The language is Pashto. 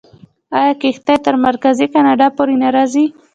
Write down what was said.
آیا کښتۍ تر مرکزي کاناډا پورې نه راځي؟